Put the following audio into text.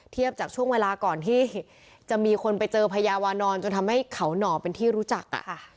เทียบจากช่วงเวลาก่อนที่จะมีคนไปเจอพญาวานอนจนทำให้เขาหน่อเป็นที่รู้จัก